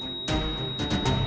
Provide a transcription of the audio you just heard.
kamu juga harus kuat